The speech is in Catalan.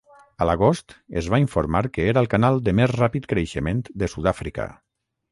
A l'agost, es va informar que era el canal de més ràpid creixement de Sud-àfrica.